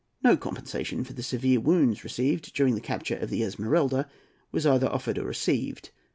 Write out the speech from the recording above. No compensation for the severe wounds received during the capture of the Esmeralda was either offered or received.